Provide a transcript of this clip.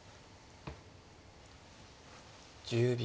１０秒。